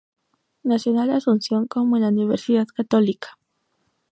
Nacional de Asunción, como en la Universidad Católica.